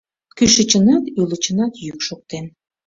— Кӱшычынат, ӱлычынат йӱк шоктен.